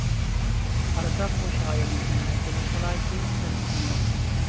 قارىساق ئۇ شائىرىمىزنىڭ ۋەكىللىك سالاھىيىتى تەستىقلانماپتۇ.